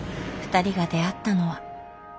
ふたりが出会ったのは。